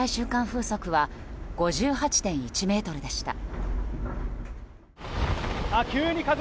風速は５８．１メートルでした。